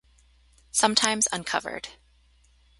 Sometimes uncovered.